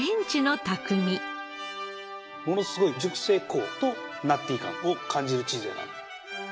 ものすごい熟成香とナッティ感を感じるチーズだな。